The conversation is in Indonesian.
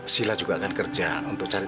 sila juga akan kerja untuk cari